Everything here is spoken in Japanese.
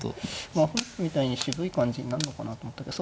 まあ本譜みたいに渋い感じになるのかなと思ったけど。